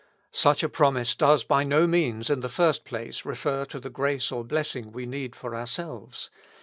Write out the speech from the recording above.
Such a promise does by no means, in the first place, refer to the grace or blessing we need for ourselves.